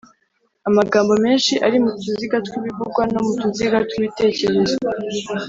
amagambo menshi ari mu tuziga tw'ibivugwa no mu tuziga tw'ibitekerezo.